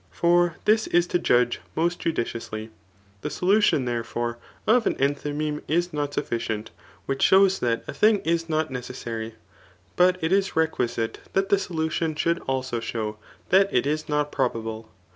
For this is to judge most judiciously. The solution, there* fore^ of an enthymeme is not sufficient, which shows that 800 TH£ AAT <0F lUStCOL SU a thing is not necessary, but it is reqoiiite tbat die abla tion should also show, that it is not probable.